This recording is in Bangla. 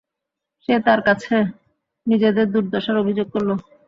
সে তার কাছে নিজেদের দুর্দশার অভিযোগ করল।